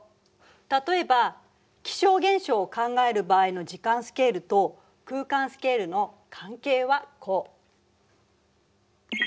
例えば気象現象を考える場合の時間スケールと空間スケールの関係はこう。